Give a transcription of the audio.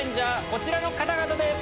こちらの方々です。